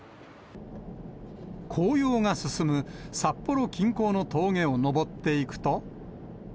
紅葉が進む札幌近郊の峠を上っていくと。